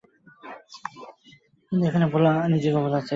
কিন্তু এখানে নিজেকে ভোলা চাই।